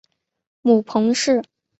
母彭氏。